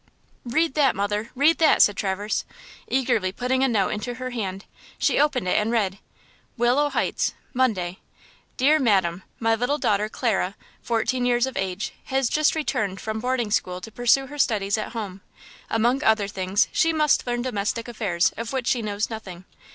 "Read that, mother! read that!" said Traverse, eagerly putting a note into her hand. She opened it and read: WILLOW HEIGHTS–Monday. DEAR MADAM–My little daughter, Clara, fourteen years of age, has just returned from boarding school to pursue her studies at home. Among other things, she must learn domestic affairs, of which she knows nothing.